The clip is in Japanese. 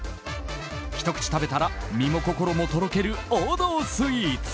ひと口食べたら身も心もとろける王道スイーツ。